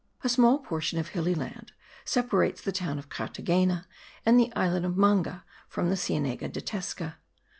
A small portion of hilly land separates the town of Carthagena and the islet of Manga from the Cienega de Tesca.